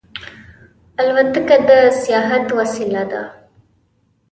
الوتکه د سیاحت وسیله ده.